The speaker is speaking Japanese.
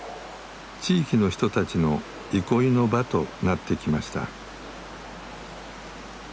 地域の人たちの憩いの場となってきました。